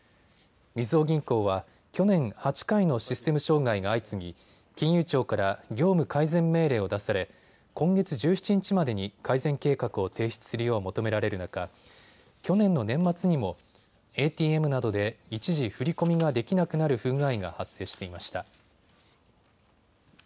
みずほ銀行は去年、８回のシステム障害が相次ぎ金融庁から業務改善命令を出され今月１７日までに改善計画を提出するよう求められる中、去年の年末にもＡＴＭなどで一時、振り込みができなくなる不具合が発生していました。